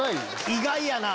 意外やな。